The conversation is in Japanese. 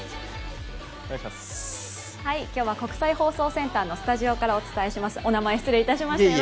今日は国際放送センターのスタジオからお送りします。